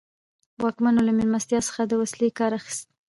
واکمنو له مېلمستیاوو څخه د وسیلې کار اخیست.